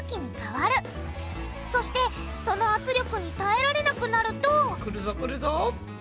そしてその圧力に耐えられなくなるとくるぞくるぞ！